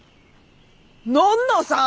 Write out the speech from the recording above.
のんのさん！？